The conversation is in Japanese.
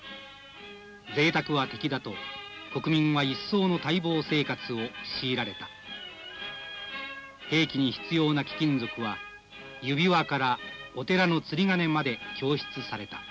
「ぜいたくは敵だと国民は一層の耐乏生活を強いられた」「兵器に必要な貴金属は指輪からお寺の釣り鐘まで供出された」